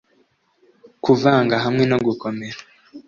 kuvanga hamwe no gukomera